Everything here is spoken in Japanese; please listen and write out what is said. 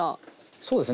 そうですね。